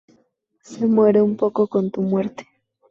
Se muere un poco con tu muerte.